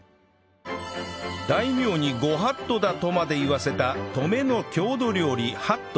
大名に「ご法度だ」とまで言わせた登米の郷土料理はっと